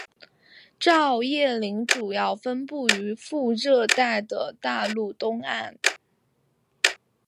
照叶林主要分布于副热带的大陆东岸。